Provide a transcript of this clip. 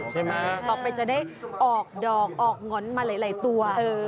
ต่อไปจะได้ออกดอกออกหงอนมาหลายตัว